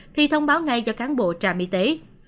thì thông báo ngay cho cán bộ trạm y tế